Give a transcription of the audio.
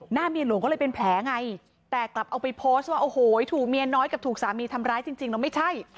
เมียหลวงก็เลยเป็นแผลไงแต่กลับเอาไปโพสต์ว่าโอ้โหถูกเมียน้อยกับถูกสามีทำร้ายจริงแล้วไม่ใช่